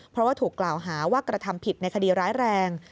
เพราะว่าถูกกล่าวหาว่ากระทำผิดในคดีร้ายแรง